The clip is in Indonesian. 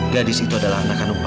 gadis itu adalah anak kandung papa